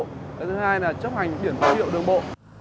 thứ hai là chấp hành biển báo hiệu đường bộ